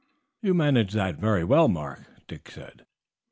"You managed that very well, Mark," Dick said.